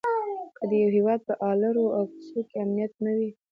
که د یوه هيواد په الرو او کوڅو کې امنيت نه وي؛